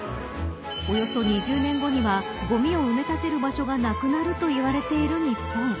およそ２０年後にはごみを埋め立てる場所がなくなると言われている日本。